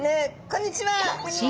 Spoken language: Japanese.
こんにちは！